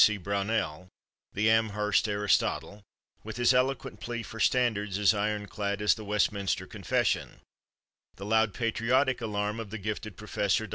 W. C. Brownell, the Amherst Aristotle, with his eloquent plea for standards as iron clad as the Westminster Confession; the loud, patriotic alarm of the gifted Prof. Dr.